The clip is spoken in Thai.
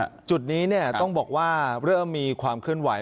จุดนี้เนี่ยต้องบอกว่าเริ่มมีความเคลื่อนไหว